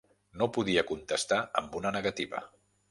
No podia contestar amb una negativa.